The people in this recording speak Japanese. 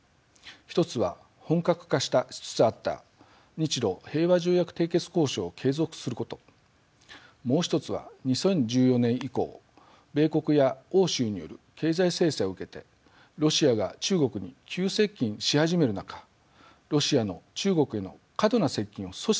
一つは本格化しつつあった日ロ平和条約締結交渉を継続することもう一つは２０１４年以降米国や欧州による経済制裁を受けてロシアが中国に急接近し始める中ロシアの中国への過度な接近を阻止することでした。